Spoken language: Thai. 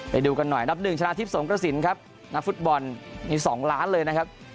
ไปดูกันหน่อยนับหนึ่งชนะทิพย์สงกระสินครับนักฟุตบอลมี๒ล้านเลยนะครับ